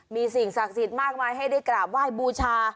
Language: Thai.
มีสิ่งศักดิ์สิทธิ์มากมายให้ได้กราบไหว้บูชา